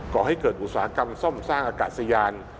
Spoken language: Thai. ก่อให้เกิดอุตสาหกรรมซ่อมสร้างอากาศยาน